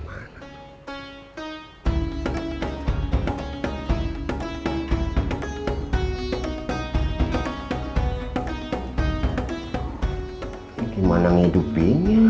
ini gimana hidupnya